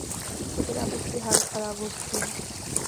لیکن اب اس کی حالت خراب ہو چکی ہے۔